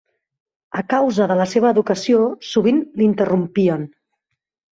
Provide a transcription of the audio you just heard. A causa de la seva educació sovint l'interrompien.